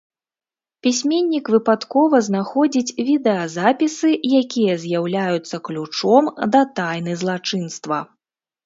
Пісьменнік выпадкова знаходзіць відэазапісы, якія з'яўляюцца ключом да тайны злачынства.